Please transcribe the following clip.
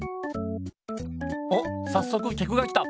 おっさっそくきゃくが来た。